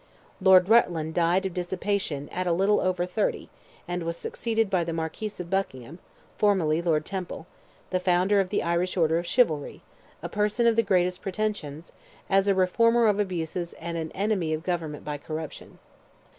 Lord Rutland died of dissipation at little over thirty, and was succeeded by the Marquis of Buckingham (formerly Lord Temple), the founder of the Irish Order of Chivalry, a person of the greatest pretensions, as a reformer of abuses and an enemy of government by corruption.